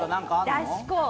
だし粉！